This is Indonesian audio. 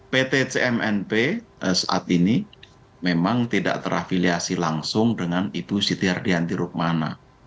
pt cmnp saat ini memang tidak terafiliasi langsung dengan ibu siti ardianti rukmana